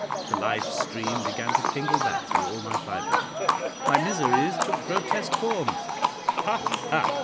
The life stream began to tingle back through all my fibres my miseries took grotesque forms. "Ha! ha!